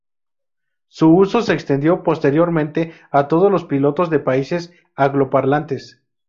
Su uso se extendió posteriormente a todos los pilotos de países angloparlantes.